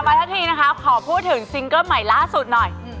มาเท่าทีนะครับขอพูดถึงซิงเกิ้ร์ดใหม่ล่าสุดหน่อย